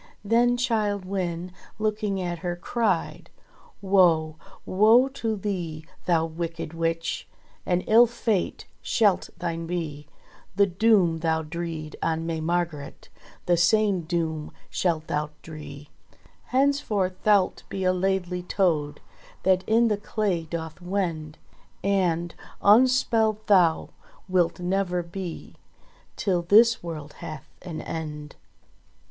Then Childe Wynde looking at her cried : "Woe ! Woe to thee, thou wicked Witch ! An ill fate shalt thine be ! The doom thou dreed on May Margret The same doom shalt thou dree. Henceforth thou'lt be a Laidly Toad That in the clay doth wend, And unspelled thou wilt never be Till this world hath an end."